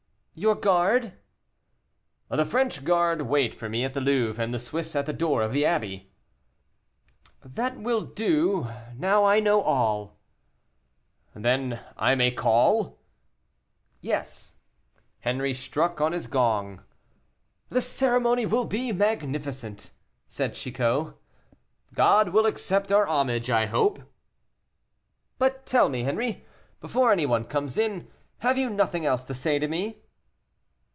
"Your guard?" "The French guard wait for me at the Louvre, and the Swiss at the door of the Abbey." "That will do; now I know all." "Then I may call?" "Yes." Henri struck on his gong. "The ceremony will be magnificent," said Chicot. "God will accept our homage, I hope." "But tell me, Henri, before any one comes in, have you nothing else to say to me?"